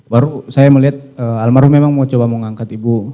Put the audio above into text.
baru saya melihat almarhum memang mau coba mengangkat ibu